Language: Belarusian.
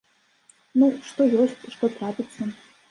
Ну, што ёсць, што трапіцца.